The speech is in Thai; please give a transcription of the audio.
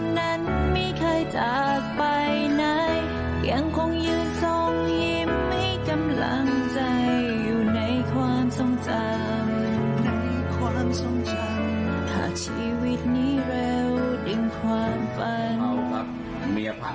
ในความสมจำขาชีวิตนี้เร็วดึงความฝัน